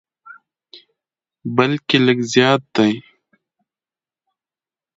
بلکې لږ زیات دي.